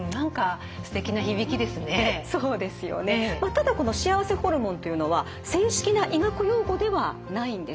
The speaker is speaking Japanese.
ただこの幸せホルモンというのは正式な医学用語ではないんです。